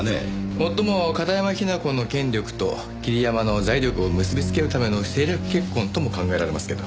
もっとも片山雛子の権力と桐山の財力を結び付けるための政略結婚とも考えられますけど。